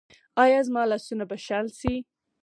ایا زما لاسونه به شل شي؟